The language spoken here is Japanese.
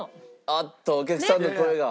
あっとお客さんの声が。